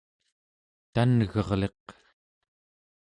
tan'gerliq